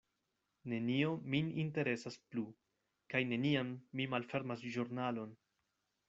Nenio min interesas plu; kaj neniam mi malfermas ĵurnalon.